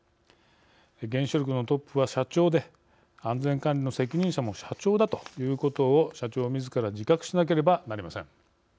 原子力のトップは社長で安全管理の責任者も社長だということを社長みずから自覚しなければなりません。